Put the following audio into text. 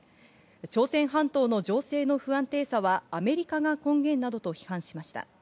朝鮮半島の情勢の不安定さはアメリカが根元などと批判しました。